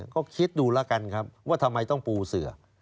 ก็คิดดูแล้วกันครับว่าทำไมต้องปูเสือ